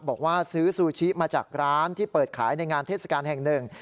บอกว่าซื้อซูชิมาจากร้านที่เปิดขายในงานเทศกาลแห่งหนึ่ง